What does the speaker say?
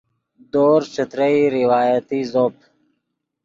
دورز ݯترئی روایتی زوپ